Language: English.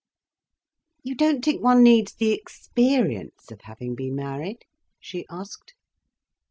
"You don't think one needs the experience of having been married?" she asked.